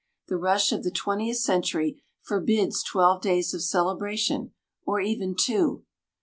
The rush of the twentieth century forbids twelve days of celebration, or even two.